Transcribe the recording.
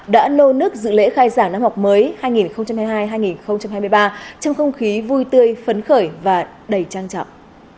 đã nô nước dự lễ khai giảng năm học mới hai nghìn hai mươi hai hai nghìn hai mươi ba trong không khí vui tươi phấn khởi và đầy trang trọng